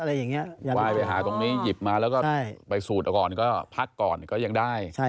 หาอ่อหาตรงนี้หยิบมาแล้วก็สูดแล้วก็พักก่อนก็ยังได้